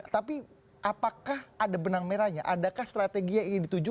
tapi apakah ada benang merahnya adakah strategia ini dituju